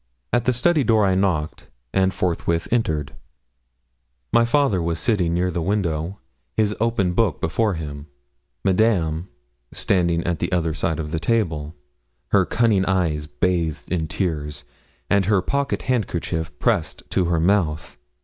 At the study door I knocked, and forthwith entered. My father was sitting near the window, his open book before him, Madame standing at the other side of the table, her cunning eyes bathed in tears, and her pocket handkerchief pressed to her mouth.